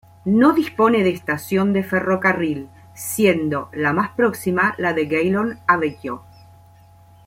No dispone de estación de ferrocarril, siendo la más próxima la de Gaillon-Aubevoye.